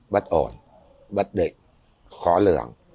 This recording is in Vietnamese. bất ổn bất định khó lường